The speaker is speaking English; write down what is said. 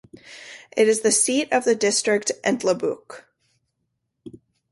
It is the seat of the district of Entlebuch.